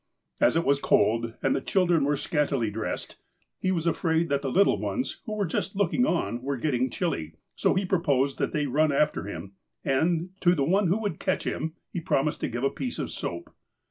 As it \Yas cold, and the children were scantily dressed, he was afraid that the little ones, who were just looking on, were getting chilly ; so he i^roposed that they run after him, and, to the one who could catch him, he prom ised to give a piece of soax3.